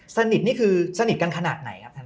สนิทนี่คือสนิทกันขนาดไหนครับท่าน